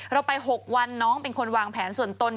เราไป๖วันน้องเป็นคนวางแผนส่วนตน